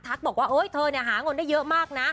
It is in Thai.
บอกว่าเธอหาเงินได้เยอะมากนะ